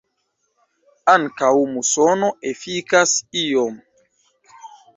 Ankaŭ musono efikas iom.